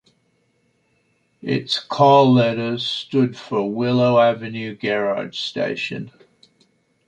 Its call letters stood for Willow Avenue Garage Station.